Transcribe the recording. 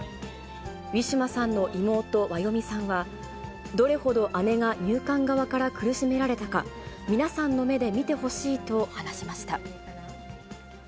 ウィシュマさんの妹、ワヨミさんは、どれほど姉が入管から苦しめられたか、皆さんの目で見てほしいと話しました。